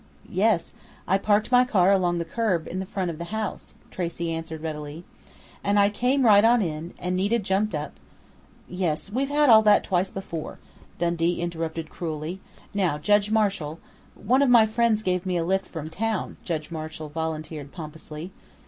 "Yes. I parked my car along the curb in front of the house," Tracey answered readily. "And I came right on in, and Nita jumped up " "Yes. We've had all that twice before," Dundee interrupted cruelly. "Now, Judge Marshall " "One of my friends gave me a lift from town," Judge Marshall volunteered pompously.